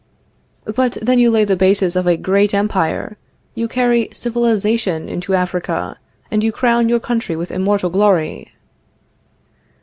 But then you lay the basis of a great empire, you carry civilization into Africa, and you crown your country with immortal glory.